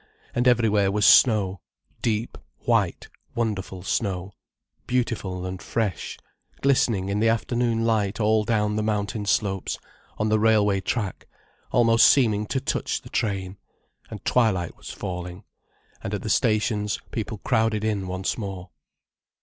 And everywhere was snow—deep, white, wonderful snow, beautiful and fresh, glistening in the afternoon light all down the mountain slopes, on the railway track, almost seeming to touch the train. And twilight was falling. And at the stations people crowded in once more.